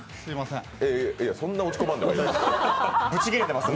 そんな落ち込まんでもいいよ。